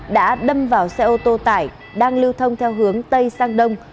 đã đâm vào xe ô tô tải đang lưu thông theo hướng tây sang đông